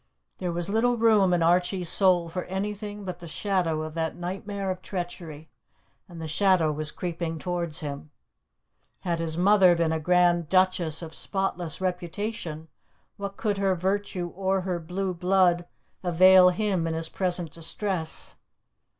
There was little room in Archie's soul for anything but the shadow of that nightmare of treachery, and the shadow was creeping towards him. Had his mother been a grand duchess of spotless reputation, what could her virtue or her blue blood avail him in his present distress?